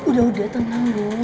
udah udah tenang lo